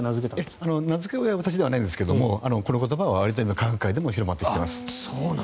名付け親は私じゃないんですがこの名前はわりと今科学界でも広がってきています。